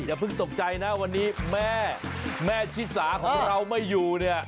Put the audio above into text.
อย่าเพิ่งตกใจนะวันนี้แม่แม่ชิสาของเราไม่อยู่เนี่ย